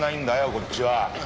こっちは。